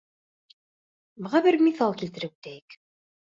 Быға бер миҫал килтереп үтәйек.